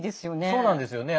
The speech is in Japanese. そうなんですよね。